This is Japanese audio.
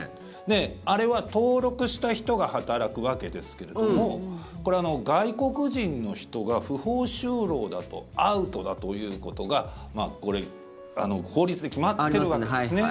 あれは登録した人が働くわけですけれどもこれ、外国人の人が不法就労だとアウトだということがこれ、法律で決まってるわけですね。